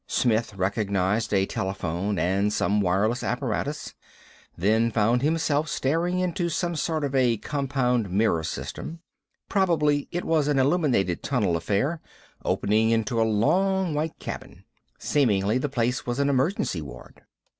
Smith recognized a telephone and some wireless apparatus; then found himself staring into some sort of a compound mirror system. Probably it was an illuminated tunnel affair, opening into a long white cabin. Seemingly the place was an emergency ward.